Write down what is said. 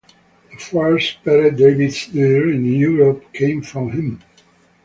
The first Pere David's deer in Europe came from him.